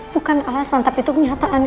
bukan alasan tapi itu kenyataan